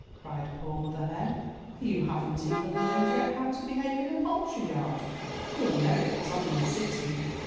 cried poor Mother Hen. "Why, you haven't even learned yet how to behave in a poultry yard! You'll never get on in the city.